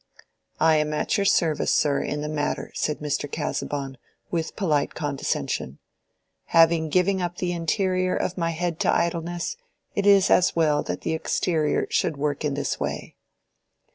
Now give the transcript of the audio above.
"I am at your service, sir, in the matter," said Mr. Casaubon, with polite condescension. "Having given up the interior of my head to idleness, it is as well that the exterior should work in this way."